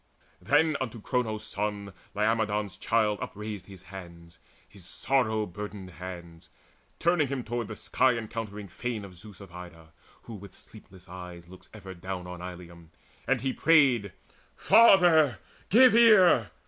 Then unto Cronos' Son Laomedon's child Upraised his hands, his sorrow burdened hands, Turning him toward the sky encountering fane Of Zeus of Ida, who with sleepless eyes Looks ever down on Ilium; and he prayed: "Father, give ear!